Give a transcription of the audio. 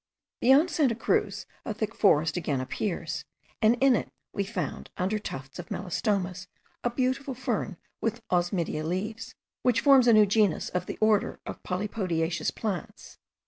Beyond Santa Cruz a thick forest again appears; and in it we found, under tufts of melastomas, a beautiful fern, with osmundia leaves, which forms a new genus of the order of polypodiaceous plants.